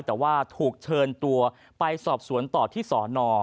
แต่ว่าถูกเชิญตัวไปสอบสวนต่อที่สอนอ